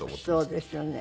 そうですよね。